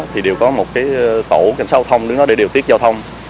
thì đều có một cái tổ cảnh sát giao thông đứng đó để điều tiết giao thông